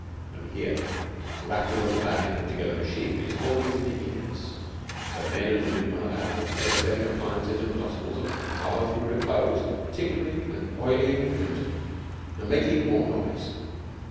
Only here, the rattle of the badly put together machine is always in the ears, though men and women run about with labour saving appliances and gospels of 'power through repose,' tinkering and oiling and making more noise.